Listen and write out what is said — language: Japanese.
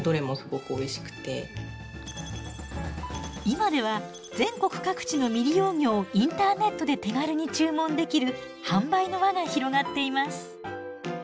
今では全国各地の未利用魚をインターネットで手軽に注文できる販売の輪が広がっています。